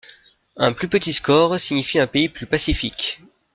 Un plus petit score signifie un pays plus pacifique.